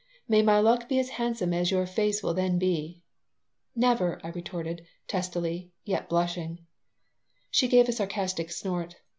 May my luck be as handsome as your face will then be." "Never!" I retorted, testily, yet blushing She gave a sarcastic snort.